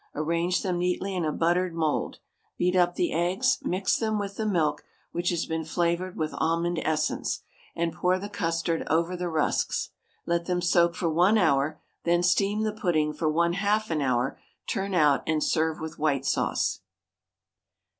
Arrange them neatly in a buttered mould; beat up the eggs, mix them with the milk, which has been flavoured with almond essence, and pour the custard over the rusks; let them soak for 1 hour, then steam the pudding for 1/2 an hour, turn out, and serve with white sauce.